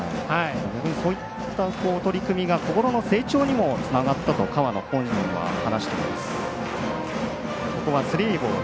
逆にそういった取り組みが心の成長にもつながったと河野本人も話しています。